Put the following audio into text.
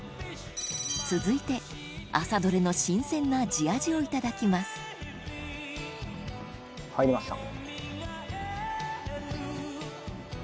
続いて朝どれの新鮮な地アジをいただきます入りました。